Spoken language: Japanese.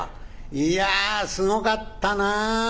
いやすごかったな。